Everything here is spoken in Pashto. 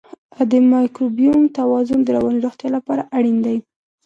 د مایکروبیوم توازن د رواني روغتیا لپاره اړین دی.